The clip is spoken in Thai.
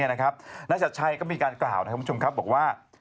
นักจัดชัยก็มีการกล่าวบอกว่า